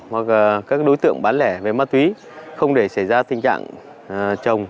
hoặc các đối tượng bán lẻ về ma túy không để xảy ra tình trạng trồng